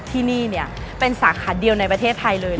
ที่นี่เป็นสาขาเดียวในประเทศไทยเลย